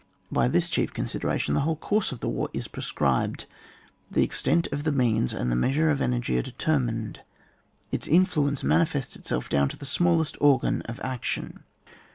By this chief consideration the whole course of the war is prescribed, the extent of the means and the measure of energy are determined ; its influence manifests itself down to the smallest organ of action.